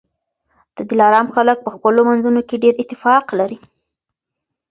د دلارام خلک په خپلو منځونو کي ډېر اتفاق لري